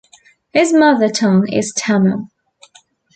His mother tongue is Tamil.